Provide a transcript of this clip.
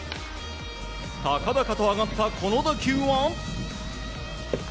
高々と上がった、この打球は。